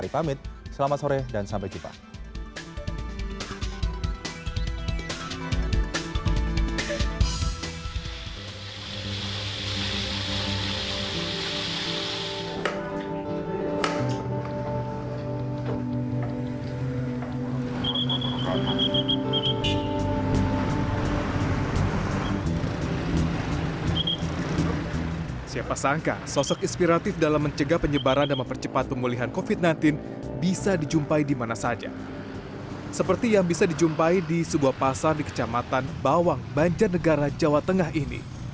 kami di sebuah pasar di kecamatan bawang banjarnegara jawa tengah ini